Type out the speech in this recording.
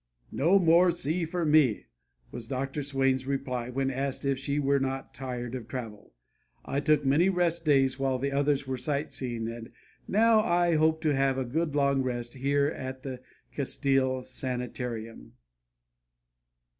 "No more sea for me!" was Dr. Swain's reply when asked if she were not tired of travel. "I took many rest days while the others were sight seeing, and now I hope to have a good long rest here at the Castile Sanitarium."